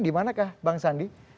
di manakah bang sandi